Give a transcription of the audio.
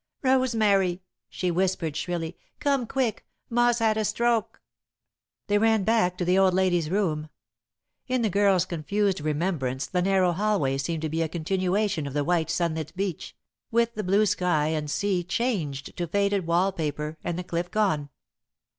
"Rosemary!" she whispered, shrilly. "Come quick! Ma's had a stroke!" They ran back to the old lady's room. In the girl's confused remembrance the narrow hallway seemed to be a continuation of the white, sunlit beach, with the blue sky and sea changed to faded wall paper, and the cliff gone.